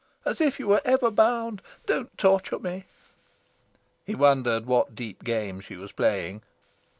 As if you were ever bound! Don't torture me!" He wondered what deep game she was playing.